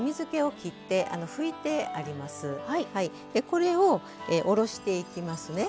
これをおろしていきますね。